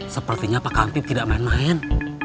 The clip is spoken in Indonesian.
sepertinya pak kampim tidak main main